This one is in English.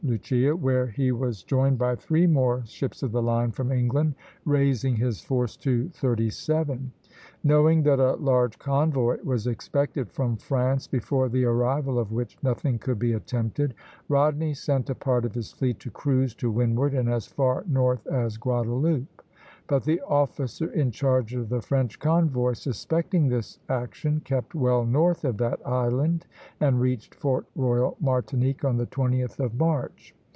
Lucia, where he was joined by three more ships of the line from England, raising his force to thirty seven. Knowing that a large convoy was expected from France, before the arrival of which nothing could be attempted, Rodney sent a part of his fleet to cruise to windward and as far north as Guadeloupe; but the officer in charge of the French convoy, suspecting this action, kept well north of that island, and reached Fort Royal, Martinique, on the 20th of March.